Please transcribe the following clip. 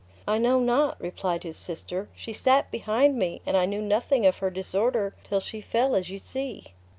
"I know not," replied his sister; "she sat behind me, and I knew nothing of her disorder till she fell as you see."